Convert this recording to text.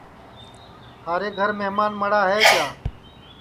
تھارے گھر مھمان مڑا ہے کیا